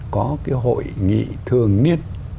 có cái hội nghị thường niên